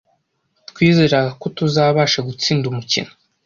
Twizeraga ko tuzabasha gutsinda umukino.